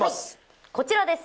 こちらです。